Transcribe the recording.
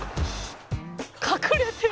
「隠れてる！」